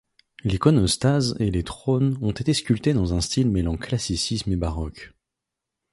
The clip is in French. L'iconostase et les trônes ont été sculptés dans un style mêlant classicisme et baroque.